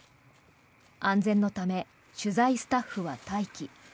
安全のため取材スタッフは待機。